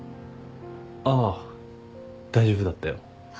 ああ大丈夫だったよ。